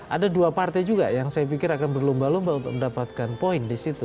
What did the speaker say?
ada dua partai juga yang saya pikir akan berlomba lomba untuk mendapatkan poin di situ